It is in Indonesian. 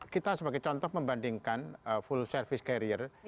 kita sebagai contoh membandingkan full service carrier